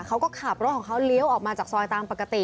เขาก็ขับรถของเขาเลี้ยวออกมาจากซอยตามปกติ